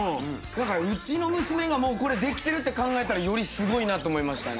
だからうちの娘がもうこれできてるって考えたらよりすごいなって思いましたね。